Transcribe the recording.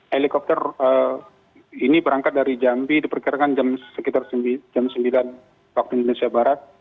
helikopter ini berangkat dari jambi diperkirakan sekitar jam sembilan waktu indonesia barat